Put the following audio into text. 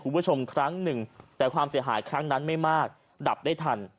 ครั้งหนึ่งแต่ความเสียหายครั้งนั้นไม่มากดับได้ทัน